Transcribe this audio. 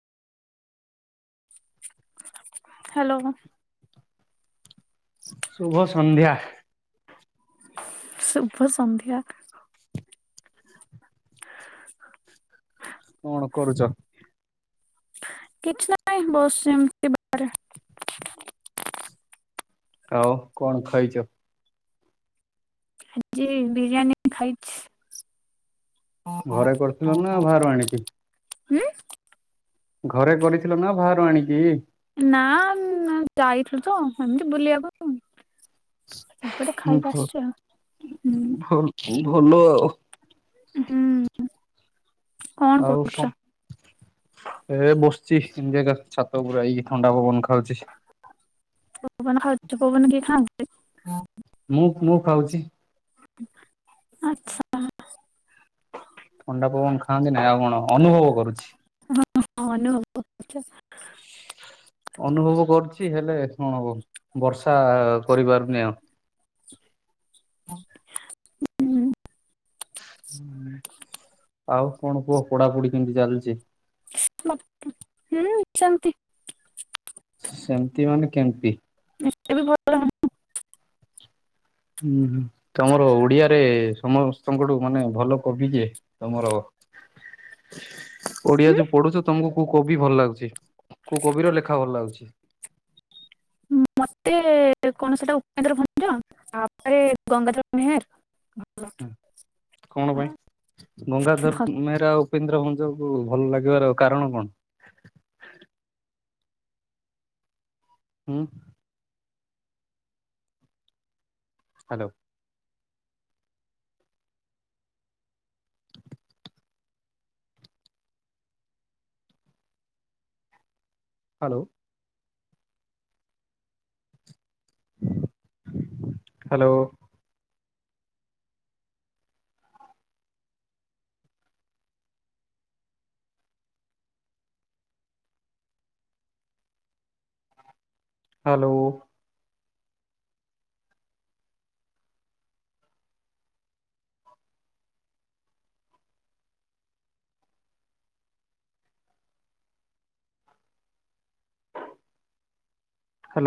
Hello. ଶୁଭ ସନ୍ଧ୍ୟା। ଶୁଭ ସନ୍ଧ୍ୟା। କଣ କରୁଛ? କିଛି ନାହିଁ ବସିଚି ଏମିତି ବାହାରେ। ଆଉ କଣ ଖାଇଛ? ଆଜି ବିରିୟାନୀ ଖାଇଛି। ଘରେ କରିଥିଲ ନା ବାହାରୁ ଆଣିକି? ହୁଁ? ଘରେ କରିଥିଲ ନା ବାହାରୁ ଆଣିକି? ନା ଉଁ ଯାଇଥିଲୁ ତ ସେମିତି ବୁଲିବାକୁ। ସେପଟେ ଖାଇକି ଭ ଆସିଛୁ ଆଉ। ହୁଁ ଭଲ ଭଲ ଆଉ। ହୁଁ। କଣ ଆଉ କରୁଛ କଣ? ଏ ବସିଛି ସିମିତି ଏକା ଛାତ ଉପରେ ଆଇକି ଥଣ୍ଡା ପବନ ଖାଉଛି। ପବନ ଖାଉଛ! ପବନ କିଏ ଖାଆନ୍ତି? ମୁଁ ମୁଁ ଖାଉଛି। ଆଚ୍ଛା ହଉ। ଥଣ୍ଡା ପବନ ଖାଆନ୍ତି ନାଇଁ ଆଉ କଣ ଅନୁଭବ କରୁଛି? ହଁ ହଁ ଅନୁଭବ [inaudible] ଅନୁଭବ କରୁଛି ହେଲେ କଣ ହବ ବର୍ଷା କରିପାରୁନି ଆଉ। ହୁଁ। ହୁଁ, ଆଉ କଣ କୁହ ପଢ଼ା ପଢ଼ି କେମିତି ଚାଲିଛି? ମ ହୁଁ ସେମିତି। ସେମତି ମାନେ କେମତି? [unintelligible] ଏବେ ଭଲ [unintelligible] ହୁଁ ହୁଁ ତମର ଓଡିଆରେ ସମସ୍ତଙ୍କଠୁ ମାନେ ଭଲ କବି କିଏ? ତମର ଓଡିଆ ଯୋଉ ପଢୁଛ ତମକୁ କୋଉ କବି ଭଲ ଲାଗୁଛି କୋଉ କବି ର ଲେଖା ଭଲ ଲାଗୁଛି? ମତେ କଣ ସେଇଟା ଉପେନ୍ଦ୍ର ଭଞ୍ଜ, ତାପରେ ଗଙ୍ଗାଧର ମେହେର ହଁ କଣ ପାଇଁ? ଗଙ୍ଗାଧର ମେହେର ଆଉ ଉପେନ୍ଦ୍ର ଭଞ୍ଜକୁ ଭଲ ଲାଗିବାର କାରଣ କଣ? ହୁଁ। ହ୍ୟାଲୋ। ହ୍ୟାଲୋ। Hello hello.